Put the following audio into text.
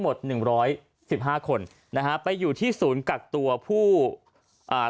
หมดหนึ่งร้อยสิบห้าคนนะฮะไปอยู่ที่ศูนย์กักตัวผู้อ่า